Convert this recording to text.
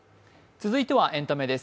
続いてはエンタメです。